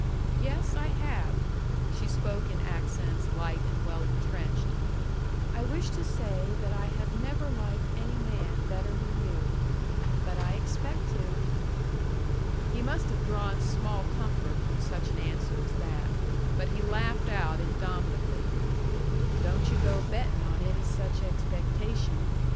"Yes; I have." She spoke in accents light and well intrenched. "I wish to say that I have never liked any man better than you. But I expect to!" He must have drawn small comfort from such an answer as that. But he laughed out indomitably: "Don't yu' go betting on any such expectation!"